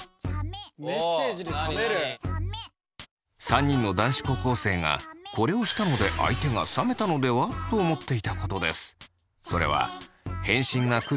３人の男子高校生がこれをしたので相手が冷めたのでは？と思っていたことです。